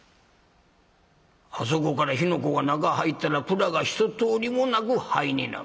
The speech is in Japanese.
あそこから火の粉が中入ったら蔵がひととおりもなく灰になる。